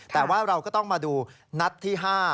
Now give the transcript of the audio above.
แต่ว่าเราก็ต้องมาดูนัดที่๕